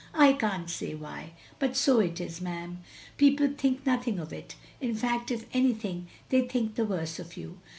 "I can't say why, but so it is, 'm. People think nothing of it. In fact, if anything, they think the worse of you.